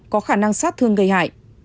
có khả năng sát thương gây hại